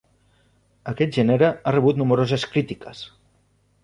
Aquest gènere ha rebut nombroses crítiques.